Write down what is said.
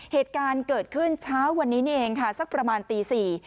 เหตุการณ์เกิดขึ้นเช้าวันนี้นี่เองค่ะสักประมาณตีสี่